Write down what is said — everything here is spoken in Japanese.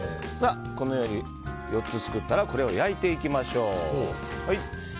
このように４つ作ったらこれを焼いていきましょう。